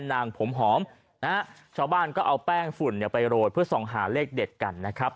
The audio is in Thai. นางผมหอมนะฮะชาวบ้านก็เอาแป้งฝุ่นเนี่ยไปโรยเพื่อส่องหาเลขเด็ดกันนะครับ